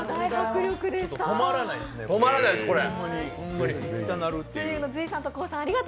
止まらないですね、これ。